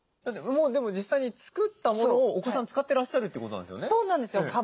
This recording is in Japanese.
もうでも実際に作ったものをお子さん使ってらっしゃるってことなんですよね？